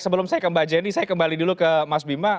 sebelum saya kembali dulu ke mas bima